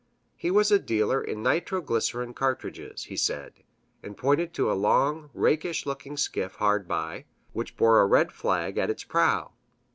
He was a dealer in nitroglycerin cartridges, he said, and pointed to a long, rakish looking skiff hard by, which bore a red flag at its prow.